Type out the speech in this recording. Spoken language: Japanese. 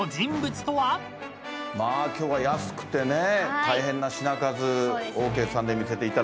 まあ今日は安くてね大変な品数オーケーさんで見せていただきました。